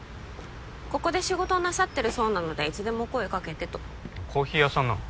ここで仕事をなさってるそうなのでいつでも声をかけてとコーヒー屋さんなの？